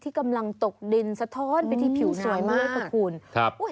ที่กำลังตกดินสะท้อนไปที่ผิวหนาวด้วยประคุณ